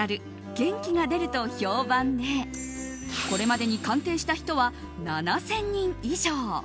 元気が出る！と評判でこれまでに鑑定した人は７０００人以上。